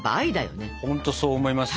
ほんとそう思いますよ。